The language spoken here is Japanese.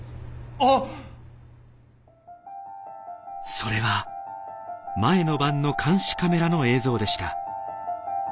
それは前の晩の監視カメラの映像でした。